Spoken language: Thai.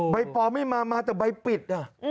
ใบปลอไม่มามาแต่ใบปิดอ่ะ